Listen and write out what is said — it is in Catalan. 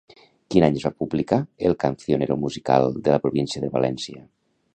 Quin any es va publicar el Cancionero Musical de la província de València?